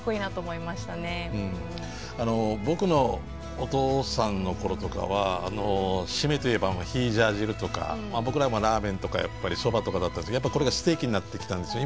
僕のお父さんの頃とかは締めといえば「ヒージャー汁」とか僕らもラーメンとかやっぱりそばとかだったですけどこれがステーキになってきたんですよ。